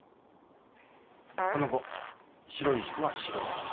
その後白い人は素人に